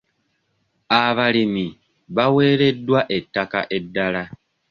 Abalimi baweereddwa ettaka eddala.